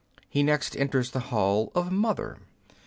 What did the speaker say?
He next enters the hall of Mother.